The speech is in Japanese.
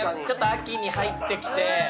秋に入ってきて。